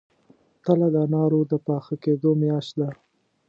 تله د انارو د پاخه کیدو میاشت ده.